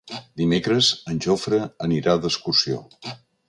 Dimecres en Jofre anirà d'excursió.